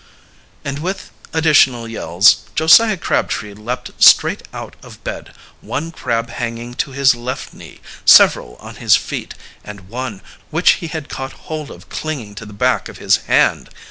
And with additional yells, Josiah Crabtree leaped straight out of bed, one crab hanging to his left knee, several on his feet, and one, which he had caught hold of clinging to the back of his hand.